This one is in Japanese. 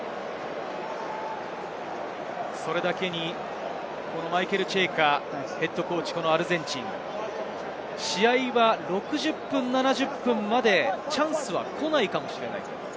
それだけにマイケル・チェイカＨＣ、試合は６０分、７０分までチャンスは来ないかもしれない。